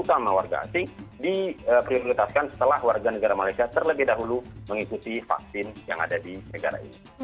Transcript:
terutama warga asing diprioritaskan setelah warga negara malaysia terlebih dahulu mengikuti vaksin yang ada di negara ini